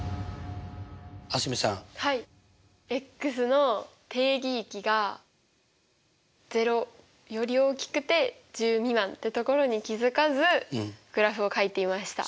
の定義域が０より大きくて１０未満ってところに気付かずグラフをかいていました。